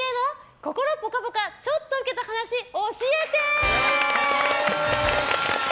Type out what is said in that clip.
心ぽかぽかちょっとウケた話教えて！